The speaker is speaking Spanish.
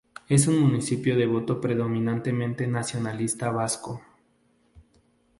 Es un municipio de voto predominantemente nacionalista vasco.